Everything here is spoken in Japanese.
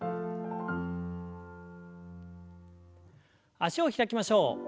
脚を開きましょう。